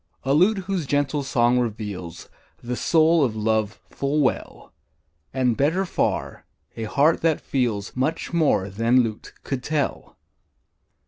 A lute whose gentle song reveals The soul of love full well; And, better far, a heart that feels Much more than lute could tell.